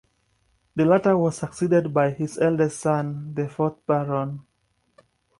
The latter was succeeded by his eldest son, the fourth Baron.